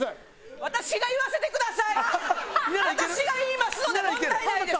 私が言いますので問題ないです。